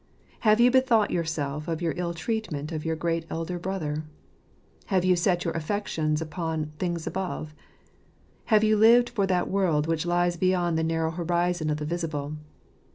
Have you bethought yourself of your ill treatment of your great Elder Brother ? Have you set your affections upon things above ? Have you lived for that W'orld which lies beyond the narrow horizon of the visible